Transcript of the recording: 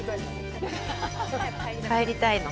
帰りたいの？